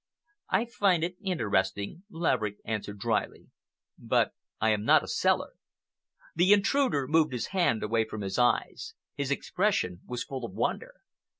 "I find it interesting," Laverick answered dryly, "but I am not a seller." The intruder moved his hand away from his eyes. His expression was full of wonder.